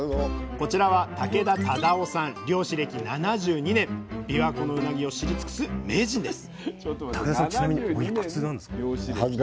こちらは漁師歴７２年びわ湖のうなぎを知り尽くす名人です